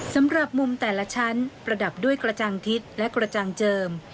สำหรับมุมแต่ละชั้นประดับด้วยกระจังทิศและกระจังเจิม